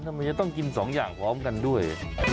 ทำไมจะต้องกินสองอย่างพร้อมกันด้วย